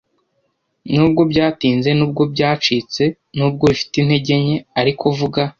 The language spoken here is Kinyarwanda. Nubwo byatinze, nubwo byacitse , nubwo bifite intege nke, ariko vuga